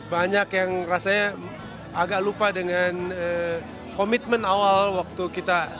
banyak yang rasanya agak lupa dengan komitmen awal waktu kita